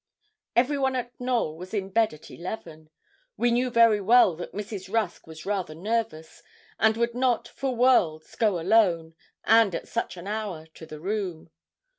Everyone at Knowl was in bed at eleven. We knew very well that Mrs. Rusk was rather nervous, and would not, for worlds, go alone, and at such an hour, to the room.